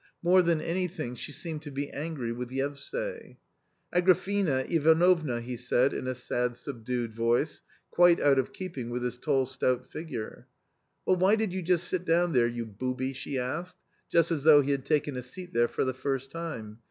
More than any thing she seemed to be angry with Yevsay. " Agrafena Ivanovna !" he said in a sad subdued voice, quite out of keeping with his tall stout figure. " Well, why did you sit down there, you booby ?" she asked, just as though he had taken a seat there for the first time.